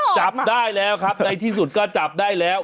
จับได้แล้วครับในที่สุดก็จับได้แล้ว